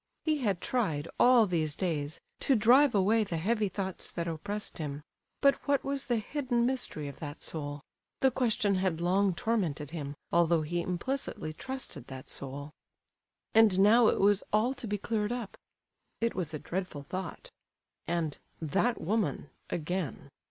He had tried, all these days, to drive away the heavy thoughts that oppressed him; but what was the hidden mystery of that soul? The question had long tormented him, although he implicitly trusted that soul. And now it was all to be cleared up. It was a dreadful thought. And "that woman" again!